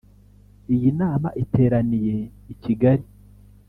Iyi nama iteraniye i Kigali